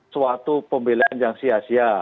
suatu pembelian yang sia sia